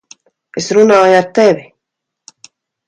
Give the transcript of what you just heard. Es runāju ar tevi!